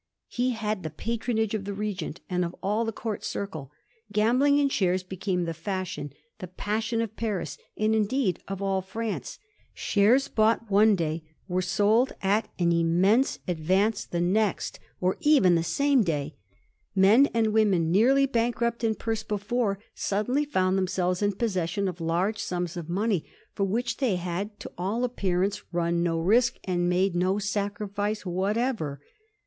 He bad the patronage of the Regent, and of all the Court circle. Gambling in shares became the fashion, the passion of Paris, and, indeed, of all France. Shares bought one day were sold at an immense advance the next, VOL. I. B Digiti zed by Google 242 A HISTORY OF THE FOUR GEORGES. ch. xl or even the same day. Men and women nearly bankrupt in purse before suddenly found themselyes in possession of large sums of money, for which they had to all appearance run no risk and made no sacrifice whatever.